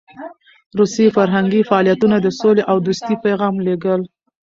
روسي فرهنګي فعالیتونه د سولې او دوستۍ پیغام لېږل.